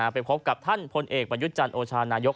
ไปพบกับท่านพลเอกประยุทธ์จันทร์โอชานายก